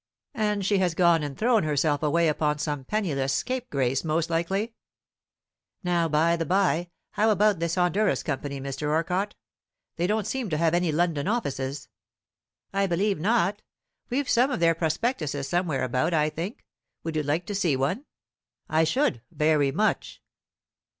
And she has gone and thrown herself away upon some penniless scapegrace, most likely? Now, by the bye, how about this Honduras Company, Mr. Orcott; they don't seem to have any London offices?" "I believe not. We've some of their prospectuses somewhere about, I think. Would you like to see one?" "I should, very much."